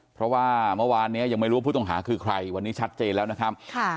เพราะว่าเมื่อวานนี้ยังไม่รู้ว่าผู้ต้องหาคือใครวันนี้ชัดเจนแล้วนะครับ